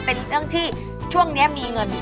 เป็นเรื่องที่ช่วงนี้มีเงิน